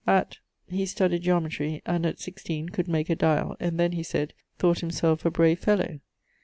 At ... he studyed Geometry, and at 16 could make a dyall, and then, he said, thought himselfe a brave fellow.